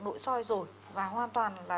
nội soi rồi và hoàn toàn là